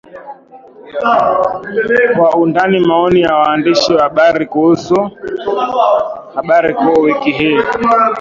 Kwa undani Maoni ya waandishi wa habari kuhusu habari kuu wiki hii